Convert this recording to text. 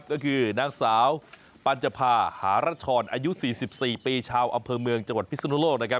ก็คือนางสาวปัญจภาหารัชชรอายุ๔๔ปีชาวอำเภอเมืองจังหวัดพิศนุโลกนะครับ